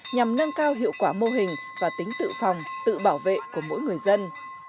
nhằm nâng cao hiệu quả mô hình và tính tự phòng tự bảo vệ của mỗi người dân